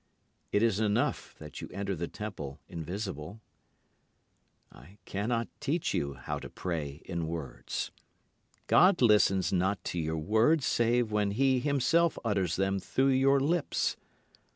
It is enough that you enter the temple invisible. I cannot teach you how to pray in words. God listens not to your words save when He Himself utters them through your lips.